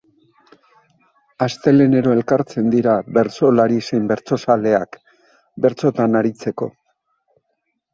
Astelehenero elkartzen dira bertsolari zein bertsozaleak, bertsotan aritzeko.